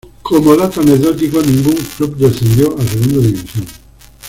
Como dato anecdótico, ningún club descendió a segunda división.